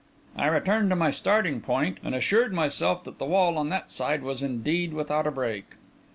I returned to my starting point, and assured myself that the wall on that side was indeed without a break.